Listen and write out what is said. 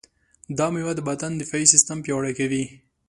دا مېوه د بدن دفاعي سیستم پیاوړی کوي.